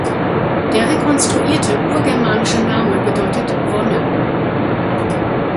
Der rekonstruierte urgermanische Name bedeutet „Wonne“.